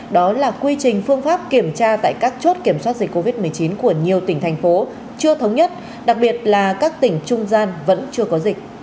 đó là quy trình phương pháp kiểm tra tại các chốt kiểm soát dịch covid một mươi chín của nhiều tỉnh thành phố chưa thống nhất đặc biệt là các tỉnh trung gian vẫn chưa có dịch